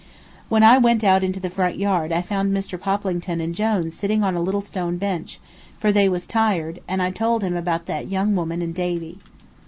When I went out into the front yard I found Mr. Poplington and Jone sitting on a little stone bench, for they was tired, and I told them about that young woman and Davy.